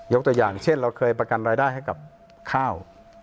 ตัวอย่างเช่นเราเคยประกันรายได้ให้กับข้าว